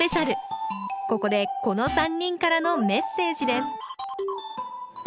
ここでこの３人からのメッセージです